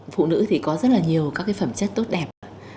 phụ nữ thì có rất là nhiều các cái phẩm chất tốt đẹp ạ